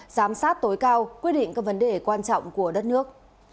giám sát tối cao quyết định các vấn đề quan trọng của đất nước